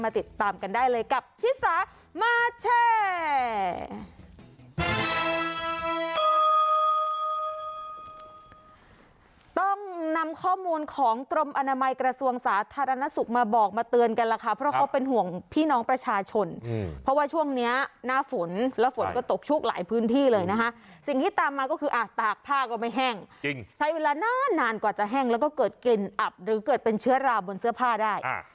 ต้องนำข้อมูลของตรมอนามัยกระทรวงสาธารณสุขมาบอกมาเตือนกันแหละค่ะเพราะเขาเป็นห่วงพี่น้องประชาชนอืมเพราะว่าช่วงเนี้ยหน้าฝนแล้วฝนก็ตกชุกหลายพื้นที่เลยนะคะสิ่งที่ตามมาก็คืออ่าตากผ้าก็ไม่แห้งจริงใช้เวลานานนานกว่าจะแห้งแล้วก็เกิดกลิ่นอับหรือเกิดเป็นเชื้อราบนเสื้อผ้า